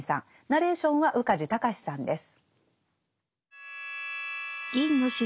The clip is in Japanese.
ナレーションは宇梶剛士さんです。